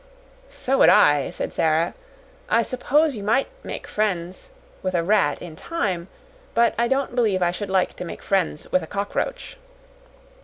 "So would I," said Sara; "I suppose you might make friends with a rat in time, but I don't believe I should like to make friends with a cockroach."